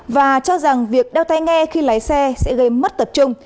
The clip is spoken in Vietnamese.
và cho rằng việc đeo tay nghe khi lái xe sẽ gây mất tập trung